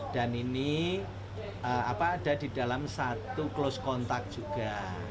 dan ini ada di dalam satu close contact juga